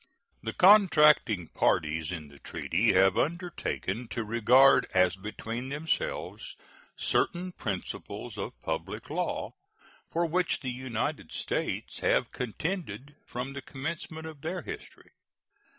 The contracting parties in the treaty have undertaken to regard as between themselves certain principles of public law, for which the United States have contended from the commencement of their history.